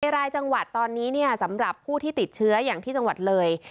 รายจังหวัดตอนนี้สำหรับผู้ที่ติดเชื้ออย่างที่จังหวัดเลย